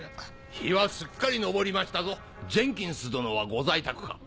日はすっかり昇りましたぞジェンキンス殿はご在宅か？